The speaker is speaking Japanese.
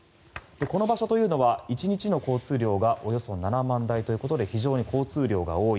この場所というのは１日の交通量がおよそ７万台ということで非常に交通量が多い。